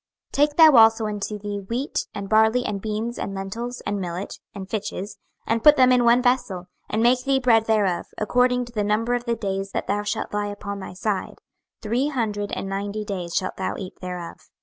26:004:009 Take thou also unto thee wheat, and barley, and beans, and lentiles, and millet, and fitches, and put them in one vessel, and make thee bread thereof, according to the number of the days that thou shalt lie upon thy side, three hundred and ninety days shalt thou eat thereof.